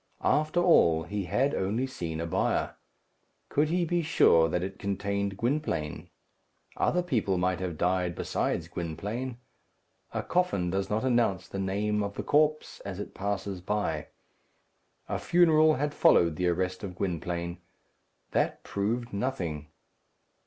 After all, he had only seen a bier. Could he be sure that it contained Gwynplaine? Other people might have died besides Gwynplaine. A coffin does not announce the name of the corpse, as it passes by. A funeral had followed the arrest of Gwynplaine. That proved nothing.